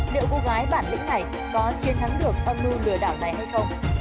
liệu cô gái bản lĩnh này có chiến thắng được âm mưu lừa đảo này hay không